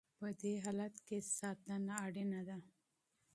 په دې حالت کې ساتنه ضروري ده.